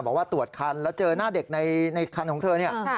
บอกว่าตรวจคันแล้วเจอหน้าเด็กในคันของเธอเนี่ย